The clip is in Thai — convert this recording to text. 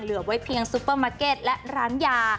เหลือไว้เพียงซูเปอร์มาร์เก็ตและร้านยา